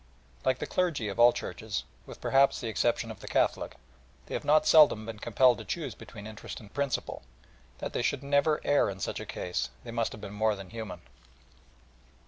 Like the clergy of all Churches, with, perhaps, the exception of the Catholic, they have not seldom been compelled to choose between interest and principle. That they should never err in such a case, they must have been more than human.